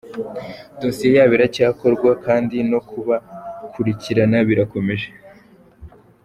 Dosiye yabo iracyakorwa kandi no kubakurikirana birakomeje.